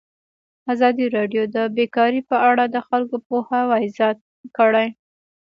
ازادي راډیو د بیکاري په اړه د خلکو پوهاوی زیات کړی.